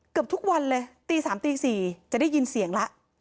เกือบทุกวันเลยตี๓ตี๔จะได้ยินเสียงแล้ว